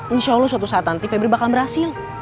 insya allah suatu saat nanti febri bakal berhasil